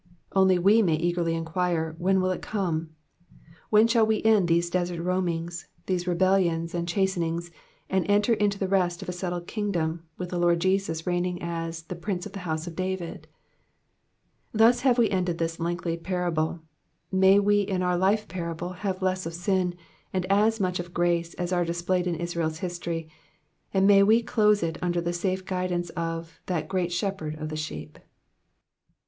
Only we may eagerly enquire, when will it come? When shall we end these desert roamings, these rebellions, and chastisings, and enter into the rest of a settled kingdom, with the Lord Jesus reigning as the Prince of the house of David f" Thus have we ended this lengthy parable, may we in our life parable have less of sin, and as much of grace as are displayed in Israel's history, and may we close it under the safe guidance of 'Hhat great Shepherd of the iheep.'